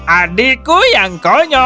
adikku yang konyol